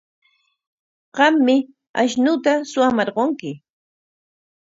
Qammi ashnuuta suwamarqunki.